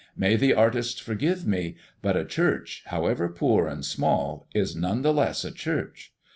May the artists forgive me, but a church, however poor and small, is none the less a church.